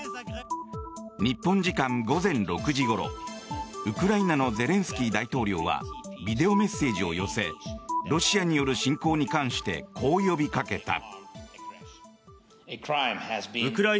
日本時間午前６時ごろウクライナのゼレンスキー大統領はビデオメッセージを寄せロシアによる侵攻に関してこう呼びかけた。